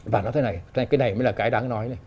và nói thế này cái này mới là cái đáng nói